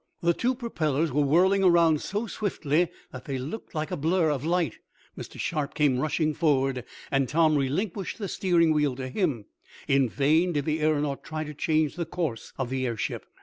The two propellers were whirling around so swiftly that they looked like blurs of light. Mr. Sharp came rushing forward, and Tom relinquished the steering wheel to him. In vain did the aeronaut try to change the course of the airship.